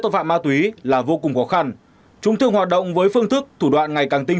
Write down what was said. tội phạm ma túy là vô cùng khó khăn chúng thường hoạt động với phương thức thủ đoạn ngày càng tinh